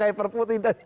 kayak perpu tidak